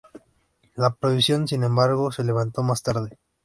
La prohibición, sin embargo, se levantó más tarde.